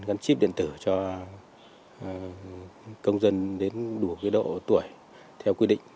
gắn chip điện tử cho công dân đến đủ độ tuổi theo quy định